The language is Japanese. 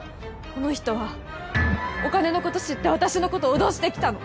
この人はお金の事知って私の事を脅してきたの。